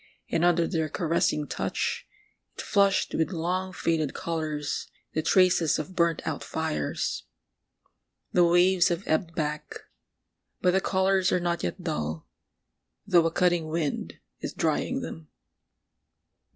. and under their caressing touch it flushed with long faded colours, the traces of burnt out fires ! The waves have ebbed back ... but the colours are not yet dull, though a cutting wind is drying them.